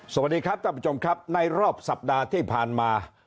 สวัสดีครับท่านผู้ชมครับในรอบสัปดาห์ที่ผ่านมา